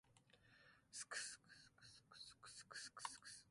ｋｓｓｋｓｋｋｓｋｓｋｓ